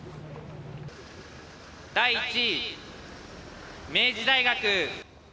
第１位、明治大学。